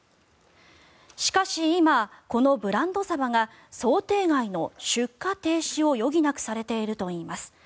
しかし、今、このブランドサバが想定外の出荷停止を余儀なくされているといいます。